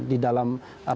di dalam rapat paripurna itu